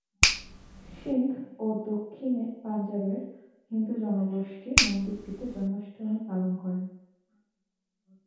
সিন্ধ ও দক্ষিণ পাঞ্জাবের হিন্দু জনগোষ্ঠী মন্দিরটিতে জন্মাষ্টমী পালন করে।